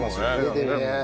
出てるね。